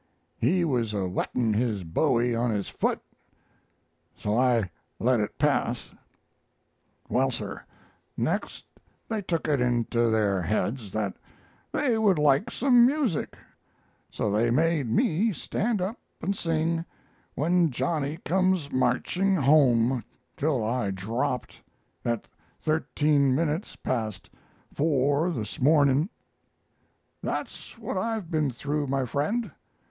He was a whetting his bowie on his boot so I let it pass. Well, sir, next they took it into their heads that they would like some music; so they made me stand up and sing, 'When Johnny Comes Marching Home' till I dropped at thirteen minutes past four this morning. That's what I've been through, my friend.